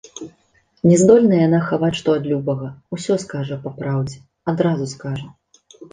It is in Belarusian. Не здольна яна хаваць што ад любага, усё скажа па праўдзе, адразу скажа.